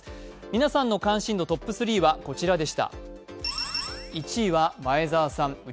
皆さんの関心度トップ３はこちらでし。